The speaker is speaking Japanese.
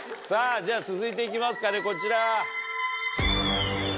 じゃ続いていきますかねこちら。